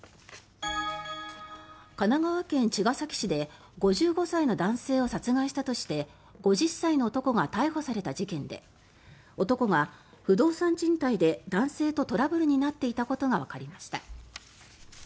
神奈川県茅ヶ崎市で５５歳の男性を殺害したとして５０歳の男が逮捕された事件で男が不動産賃貸で、男性とトラブルになっていたことがわかりました。